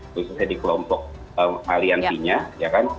khususnya di kelompok aliansinya ya kan